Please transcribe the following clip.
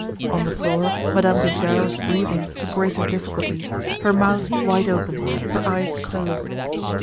On the floor, Madame Bijard was breathing with greater difficulty, her mouth wide open, her eyes closed.